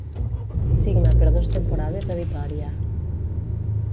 Signa per dos temporades a Vitòria.